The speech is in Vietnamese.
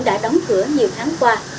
đã đóng cửa nhiều tháng qua